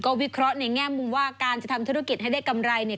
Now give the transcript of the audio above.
วิเคราะห์ในแง่มุมว่าการจะทำธุรกิจให้ได้กำไรเนี่ย